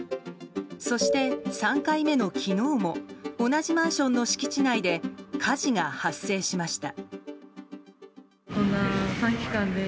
そして、３回目の昨日も同じマンションの敷地内で火事が発生しました。